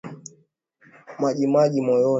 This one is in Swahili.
Majimaji moyoni